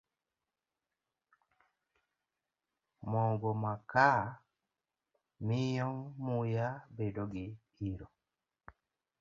Mogo makaa miyo muya bedo gi iro.